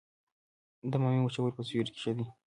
د بامیې وچول په سیوري کې ښه دي؟